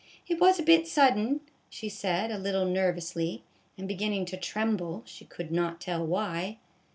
" It was a bit sudden," she said, a little nervously, and beginning to tremble, she could not tell why.